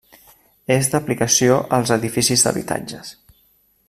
És d'aplicació als edificis d'habitatges.